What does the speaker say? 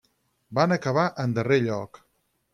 Van acabar en darrer lloc.